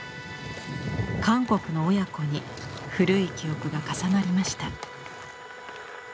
韓国の親子に古い記憶が重なりました。